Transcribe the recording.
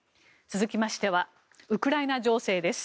続きましてはウクライナ情勢です。